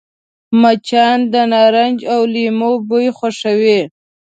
مچان د نارنج او لیمو بوی خوښوي